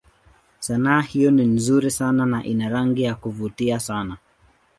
Sanaa hiyo ni nzuri sana na ina rangi za kuvutia sana.